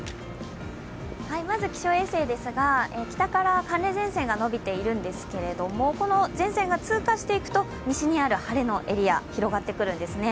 まず気象衛星ですが、北から寒冷前線が伸びているんですがこの前線が通過していくと西にある晴れのエリア広がってくるんですね。